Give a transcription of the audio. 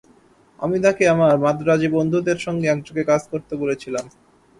আমি তাঁকে আমার মান্দ্রাজী বন্ধুদের সঙ্গে একযোগে কাজ করতে বলেছিলাম।